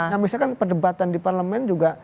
nah misalkan perdebatan di parlemen juga